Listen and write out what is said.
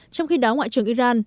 trong khi đáo ngoại trưởng iran